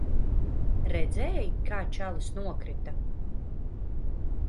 Redzēji, kā čalis nokrita?